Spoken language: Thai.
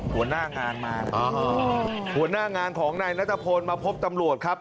หัวหน้างานมาหัวหน้างานของนายนัทพลมาพบตำรวจครับ